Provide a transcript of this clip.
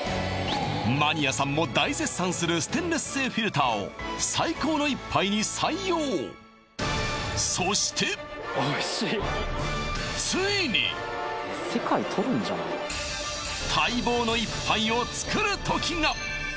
マニアさんも大絶賛するステンレス製フィルターを最高の一杯に採用おいしい世界とるんじゃない待望の一杯を作る時が！